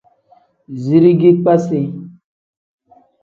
Zirigi kpasi.